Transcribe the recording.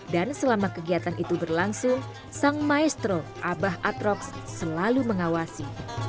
dan selama kegiatan itu berlangsung sang maestro abah atroks selalu mengawasi